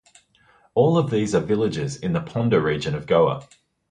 All of these are villages in the Ponda region of Goa.